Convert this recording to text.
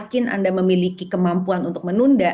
yakin anda memiliki kemampuan untuk menunda